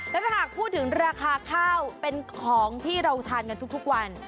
แล้วถ้าหากพูดถึงราคาข้าวเป็นของที่เราทานกันทุกวัน